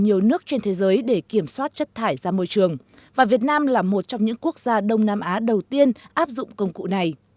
nhiều nước trên thế giới để kiểm soát chất thải ra môi trường và việt nam là một trong những quốc gia đông nam á đầu tiên áp dụng công cụ này